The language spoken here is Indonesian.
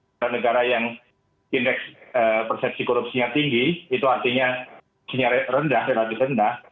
negara negara yang indeks persepsi korupsinya tinggi itu artinya sinyal rendah relatif rendah